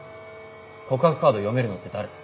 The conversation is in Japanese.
告白カード読めるのって誰？